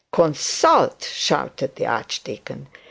'Consult!' shouted the archdeacon.